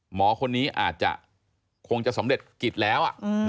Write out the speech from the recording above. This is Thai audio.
หมอคนนี้อาจจะคงจะสำเร็จกิจแล้ว